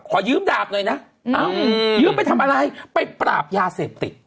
ขอยืมดาบหน่อยนะเอ้ายืมไปทำอะไรไปปราบยาเสพติด